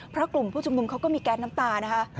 เพราะกลุ่มผู้ชุมนุมเขาก็มีแก๊สน้ำตานะคะ